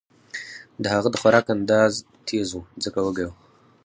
د هغه د خوراک انداز تېز و ځکه وږی و